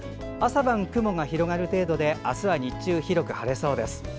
朝晩に雲が広がる程度であすは日中広く晴れる見込みです。